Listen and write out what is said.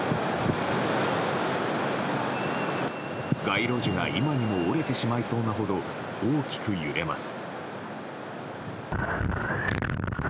街路樹が今にも折れてしまいそうなほど大きく揺れます。